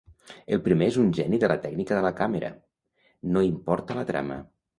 El primer és un geni de la tècnica de la càmera, no importa la trama.